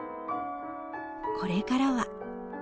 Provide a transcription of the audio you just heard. これからは。